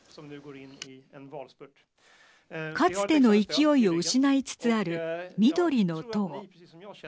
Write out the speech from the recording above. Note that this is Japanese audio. かつての勢いを失いつつある緑の党。